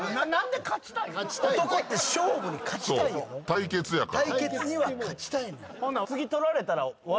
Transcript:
対決やから。